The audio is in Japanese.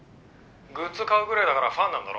「グッズ買うぐらいだからファンなんだろ？」